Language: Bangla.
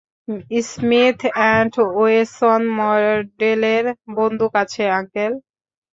স্মিথ অ্যান্ড ওয়েসন মডেলের বন্দুক আছে, আংকেল।